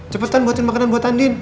cepetan buatin makanan buat andin